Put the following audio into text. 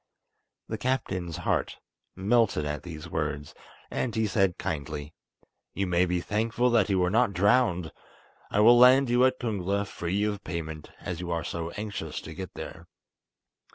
The captain's heart melted at these words, and he said kindly: "You may be thankful that you were not drowned. I will land you at Kungla free of payment, as you are so anxious to get there.